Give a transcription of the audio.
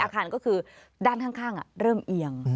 อาคารก็คือด้านข้างเริ่มเอียง